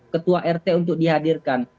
ketua rt untuk dihadirkan